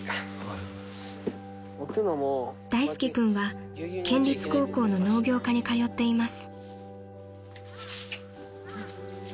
［大介君は県立高校の農業科に通っています］